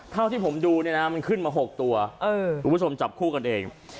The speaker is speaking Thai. เท่าที่ผมดูเนี่ยนะมันขึ้นมา๖ตัวคุณผู้ชมจับคู่กันเอง